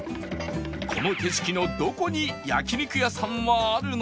この景色のどこに焼肉屋さんはあるのか？